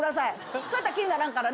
そうやったら気にならんからね。